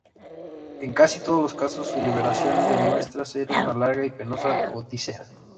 En casi todos los casos, su liberación demuestra ser una larga y penosa odisea.